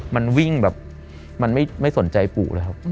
มันวิ่งแบบมันไม่สนใจปู่เลยครับ